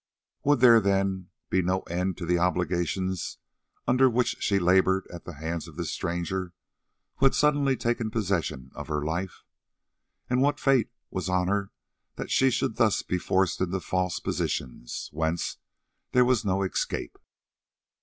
Would there, then, be no end to the obligations under which she laboured at the hands of this stranger, who had suddenly taken possession of her life? And what fate was on her that she should thus be forced into false positions, whence there was no escape?